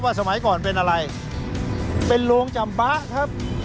สมัยก่อนเป็นอะไรเป็นโรงจำป๊ะครับ